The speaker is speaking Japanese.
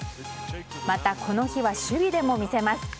また、この日は守備でも魅せます。